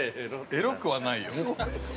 ◆エロくはないよ。